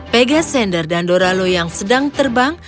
pegazander dan doralo yang sedang terbang